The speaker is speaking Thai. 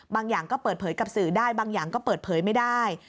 บางอย่างก็เปิดเผยกับสื่อได้บางอย่างก็เปิดเผยไม่ได้